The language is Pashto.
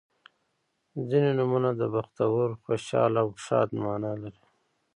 • ځینې نومونه د بختور، خوشحال او ښاد معنا لري.